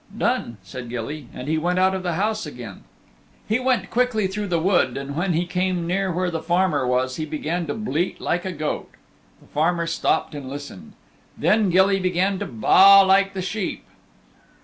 "Done," said Gilly, and he went out of the house again. He went quickly through the wood, and when he came near where the farmer was he began to bleat like a goat. The farmer stopped and listened. Then Gilly began to baa like the sheep.